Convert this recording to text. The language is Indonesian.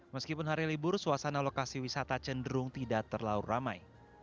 meskipun hari libur suasana lokasi wisata cenderung tidak terlalu ramai